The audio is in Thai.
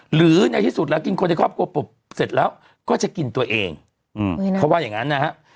หรือในที่สุดแล้วกินคนในครอบครัวปุ๊บเสร็จแล้วก็จะกินตัวเองเขาว่าอย่างนั้นนะฮะ